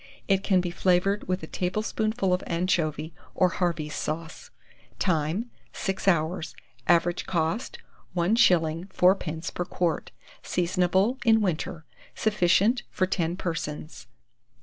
It can be flavoured with a tablespoonful of anchovy, or Harvey's sauce. Time. 6 hours. Average cost,1s. 4d. per quart. Seasonable in winter. Sufficient for 10 persons.